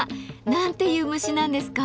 何ていう虫なんですか？